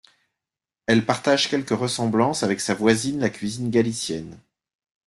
Elle partage quelques ressemblances avec sa voisine, la cuisine galicienne.